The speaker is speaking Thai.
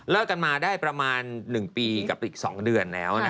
กันมาได้ประมาณ๑ปีกับอีก๒เดือนแล้ว